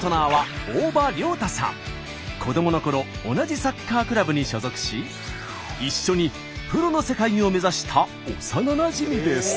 子どものころ同じサッカークラブに所属し一緒にプロの世界を目指した幼なじみです。